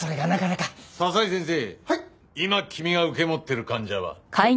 今君が受け持ってる患者は？えっ？